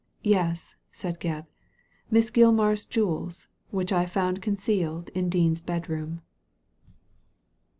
"Yes," said Gebb, "Miss Gilmar's jewels, which I found concealed in Dean's bedroom."